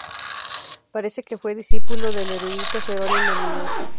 Parece que fue discípulo del erudito Jerónimo Muñoz.